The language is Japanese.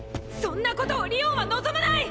そんなことをりおんは望まない！